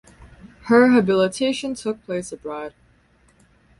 Her habilitation took place abroad.